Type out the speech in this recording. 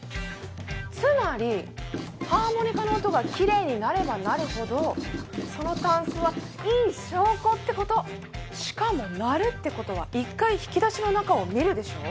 つまりハーモニカの音がきれいに鳴れば鳴るほどそのタンスはいい証拠ってことしかも鳴るってことは一回引き出しの中を見るでしょ